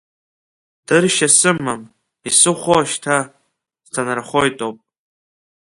Дыршьа сымам, исыхәо шьҭа, сҭанархоитоуп.